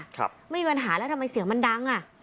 ไม่มีปัญหาแล้วทำไมเสียงมันดัง